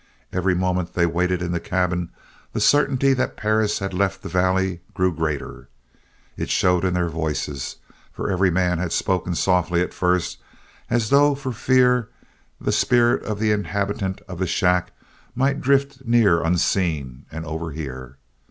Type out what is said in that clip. Every moment they waited in the cabin, the certainty that Perris had left the valley grew greater. It showed in their voices, for every man had spoken softly at first as though for fear the spirit of the inhabitant of the shack might drift near unseen and overhear.